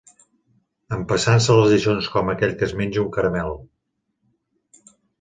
Empassant-se les lliçons com aquell que es menja un caramel